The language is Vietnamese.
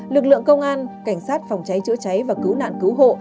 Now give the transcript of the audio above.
lực lượng công an cảnh sát phòng cháy chữa cháy và cứu nạn cứu hộ